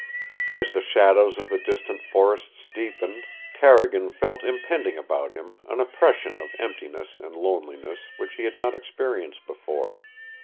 As the shadows of the distant forests deepened, Carrigan felt impending about him an oppression of emptiness and loneliness which he had not experienced before.